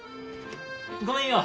ごめんよ！